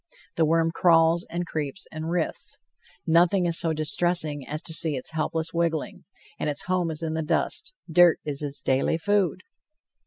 The worm crawls and creeps and writhes. Nothing is so distressing as to see its helpless wiggling and its home is in the dust; dirt is its daily food.